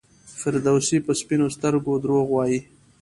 فردوسي په سپینو سترګو دروغ وایي.